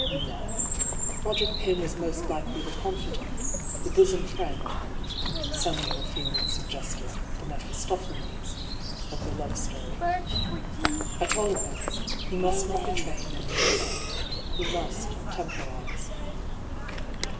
No. Roderick Pym was most likely the confidant, the bosom friend — some evil feeling suggested the Mephistopheles — of the love story. At all events, he must not betray him in the affair. He must temporise.